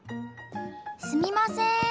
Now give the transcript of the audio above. すみません。